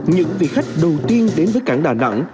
những vị khách đầu tiên đến với cảng đà nẵng